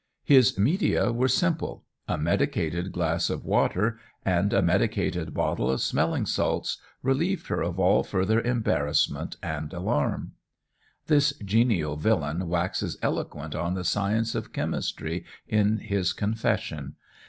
His media were simple: "A medicated glass of water and a medicated bottle of smelling salts relieved her of all further embarrassment and alarm." This genial villain waxes eloquent on the science of chemistry in his confession.